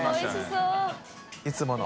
いつもの。